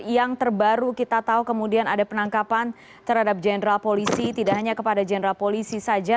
yang terbaru kita tahu kemudian ada penangkapan terhadap jenderal polisi tidak hanya kepada jenderal polisi saja